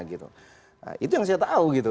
itu yang saya tahu gitu